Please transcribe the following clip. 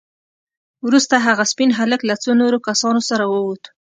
وروسته هغه سپين هلک له څو نورو کسانو سره ووت.